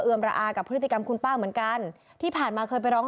ระอากับพฤติกรรมคุณป้าเหมือนกันที่ผ่านมาเคยไปร้อง